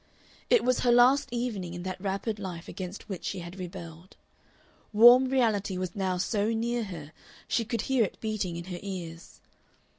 It was her last evening in that wrappered life against which she had rebelled. Warm reality was now so near her she could hear it beating in her ears.